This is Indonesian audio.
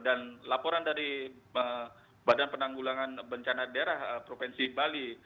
dan laporan dari badan penanggulangan bencana daerah provinsi bali